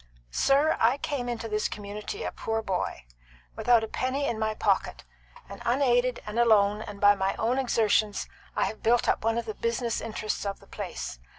"Sir, I came into this community a poor boy, without a penny in my pocket, and unaided and alone and by my own exertions I have built up one of the business interests of the place.